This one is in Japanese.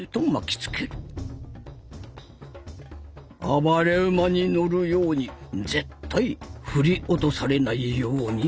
暴れ馬に乗るように絶対振り落とされないように。